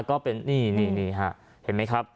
ก็เป็นนี่นี่นี่ค่ะเห็นมั้ยครับ